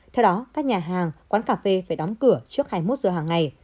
theo đó các nhà hàng quán cà phê phải đóng cửa trước hai mươi một giờ hàng ngày